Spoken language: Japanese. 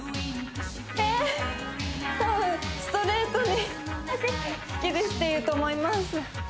えっストレートに好きですって言うと思います